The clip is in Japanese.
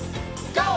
ＧＯ！